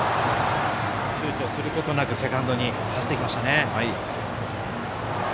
ちゅうちょすることなくセカンドに走っていきましたね。